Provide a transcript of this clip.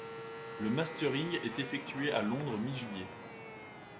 Le mastering est effectué à Londres mi-juillet.